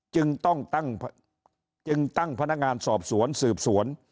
จึงต้องตั้งผนังงานสอบสวนสืบสวน